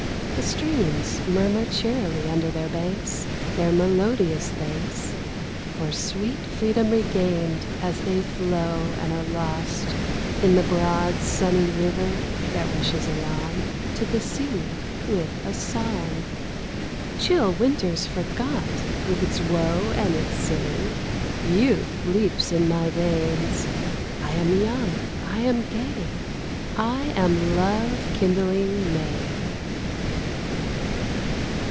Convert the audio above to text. The streams murmur cheerily under their banks Their melodious thanks For sweet freedom regained, as they flow and are lost In the broad, sunny river, that rushes along To the sea, with a song. Chill Winter's forgot, with its woe and its sinning. Youth leaps in my veins I am young, I am gay I am love kindling May.